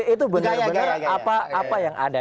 itu benar benar apa yang ada